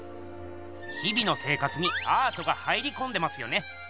日々の生活にアートが入りこんでますよね。